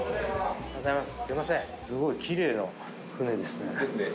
おはようございます。